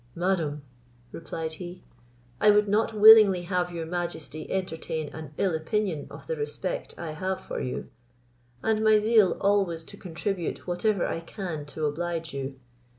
"Madam," replied he, "I would not willingly have your majesty entertain an ill opinion of the respect I have for you, and my zeal always to contribute whatever I can to oblige you.